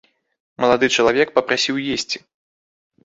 Малады чалавек папрасіў есці.